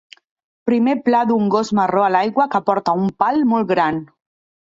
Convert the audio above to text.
primer pla d'un gos marró a l'aigua que porta un pal molt gran.